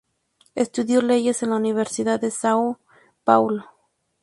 Estudió leyes en la Universidad de São Paulo.